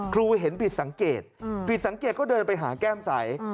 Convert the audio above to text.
เห็นผิดสังเกตผิดสังเกตก็เดินไปหาแก้มใส